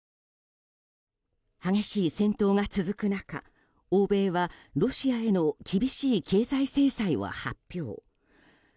激しい戦闘が続く中、欧米はロシアへの厳しい経済制裁を発表。